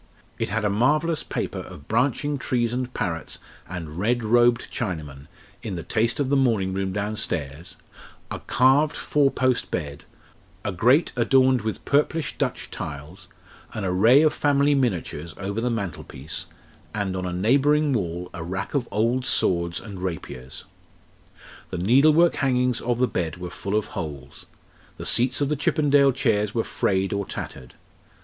It had a marvellous paper of branching trees and parrots and red robed Chinamen, in the taste of the morning room downstairs, a carved four post bed, a grate adorned with purplish Dutch tiles, an array of family miniatures over the mantelpiece, and on a neighbouring wall a rack of old swords and rapiers. The needlework hangings of the bed were full of holes; the seats of the Chippendale chairs were frayed or tattered.